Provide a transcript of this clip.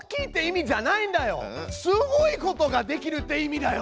すごいことができるって意味だよ！